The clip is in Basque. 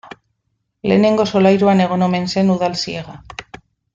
Lehenengo solairuan egon omen zen udal-ziega.